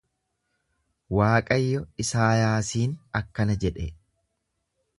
Waaqayyo Isaayaasiin akkana jedhe.